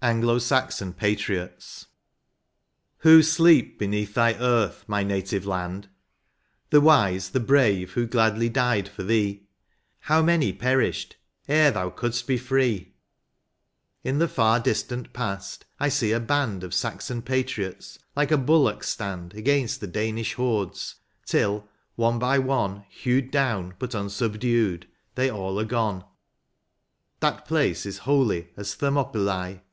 95 XLVIT. ANGLO SAXON PATRIOTS. Who sleep beneath thy earth, my native land ? The wise, the brave, who gladly died for thee — How many perished ere thou couldst be free ! In the far distant past I see a band Of Saxon patriots like a bulwark stand Against the Danish hordes, till, one by one Hewed down but unsubdued, they all are gone : That place is holy as Thermopylae.